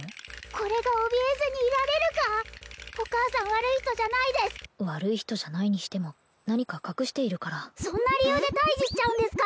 これがおびえずにいられるかお母さん悪い人じゃないです悪い人じゃないにしても何か隠しているからそんな理由で退治しちゃうんですか？